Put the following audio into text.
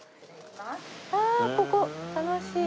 ああここ楽しい。